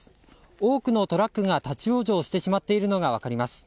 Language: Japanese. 多くのトラックが立ち往生してしまっているのが分かります。